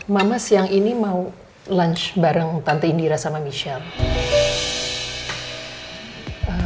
mama siang ini mau lunch bareng tante indira sama michelle